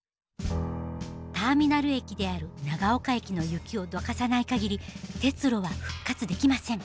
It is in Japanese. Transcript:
ターミナル駅である長岡駅の雪をどかさないかぎり鉄路は復活できません。